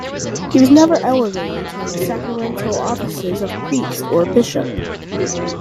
He was never elevated to the sacramental offices of priest or bishop.